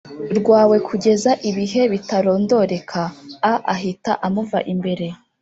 Rwawe kugeza ibihe bitarondoreka a ahita amuva imbere